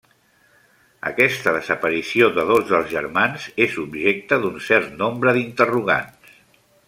Aquesta desaparició de dos dels germans és objecte d'un cert nombre d'interrogants.